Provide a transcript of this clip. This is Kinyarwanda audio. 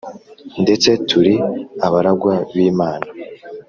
ndetse turi abaragwa b'Imana,